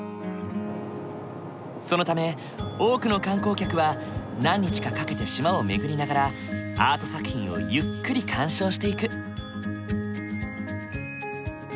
そのため多くの観光客は何日かかけて島を巡りながらアート作品をゆっくり鑑賞していく。